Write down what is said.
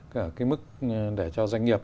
cả cái mức để cho doanh nghiệp